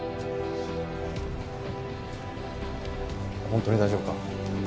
本当に大丈夫か？